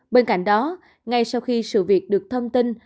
bên cạnh đó ngay sau khi sự việc được thông tin